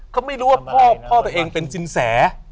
เขาไม่รู้ว่าพ่อตัวเองเป็นสินแส